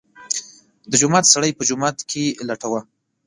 د جومات سړی په جومات کې لټوه.